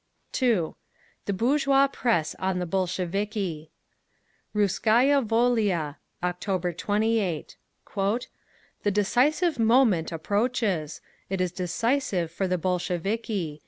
2. THE BOURGEOIS PRESS ON THE BOLSHEVIKI Russkaya Volia, October 28. "The decisive moment approaches…. It is decisive for the Bolsheviki.